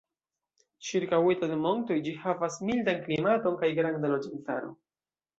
Ĉirkaŭita de montoj, ĝi havas mildan klimaton kaj granda loĝantaro.